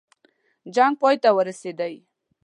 جنګ پای ته ورسېدی.